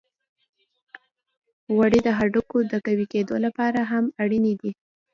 غوړې د هډوکو د قوی کیدو لپاره هم اړینې دي.